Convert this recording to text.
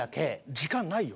時間ないよ。